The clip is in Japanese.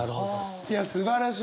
いやすばらしい。